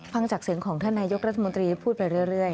ฟังจากเสียงของท่านนายกรัฐมนตรีพูดไปเรื่อย